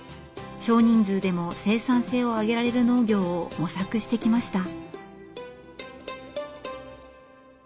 少人数でも生産性を上げられる農業を模索してきました。